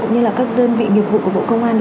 cũng như là các đơn vị nghiệp vụ của bộ công an